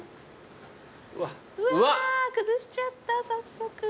うわ崩しちゃった早速。